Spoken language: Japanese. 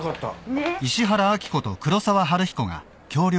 ねえ。